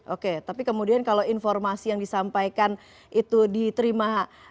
oke tapi kemudian kalau informasi yang disampaikan itu diterima